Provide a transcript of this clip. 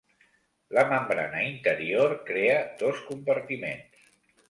La membrana interior crea dos compartiments.